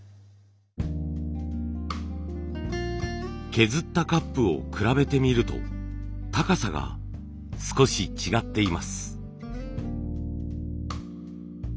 削ったカップを比べてみると高さが少し違っています。